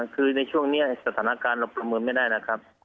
คือในช่วงนี้สถานการณ์เราประเมินไม่ได้นะครับ